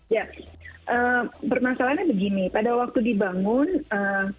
ya permasalahannya begini pada waktu dibangun buffer zone nya kan cukup ya